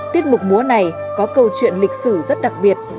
tiết mục múa này có câu chuyện lịch sử rất đặc biệt